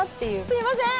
すいません！